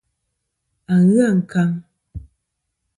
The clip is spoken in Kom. A ghɨ ankaŋ.